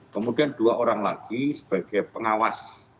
kemudian dua orang lagi sebagai pengawas